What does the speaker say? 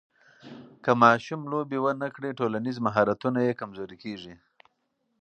که ماشوم لوبې ونه کړي، ټولنیز مهارتونه یې کمزوري کېږي.